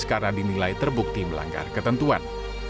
karena dinilai terbukti melanggar ketentuan